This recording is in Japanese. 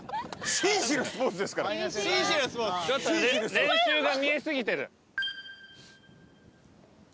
練習が見え過ぎてる。